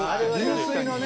入水のね